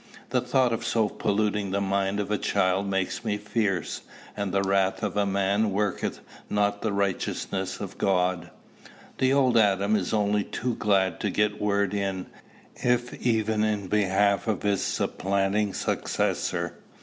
The thought of so polluting the mind of a child makes me fierce, and the wrath of man worketh not the righteousness of God. The old Adam is only too glad to get a word in, if even in behalf of his supplanting successor."